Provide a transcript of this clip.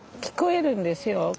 聞こえるんですよ